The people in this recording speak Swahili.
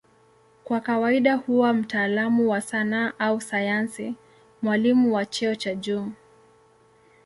Kwa kawaida huwa mtaalamu wa sanaa au sayansi, mwalimu wa cheo cha juu.